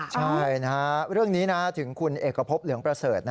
ใช่นะฮะเรื่องนี้นะถึงคุณเอกพบเหลืองประเสริฐ